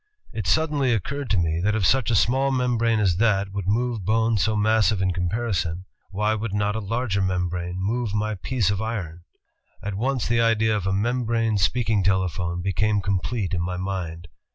It suddenly occurred to me, that if such a small membrane as that would move bones so massive in comparison, why would not a larger membrane move my piece of iron? At once the idea of a membrane speak ing telephone became complete in my mind.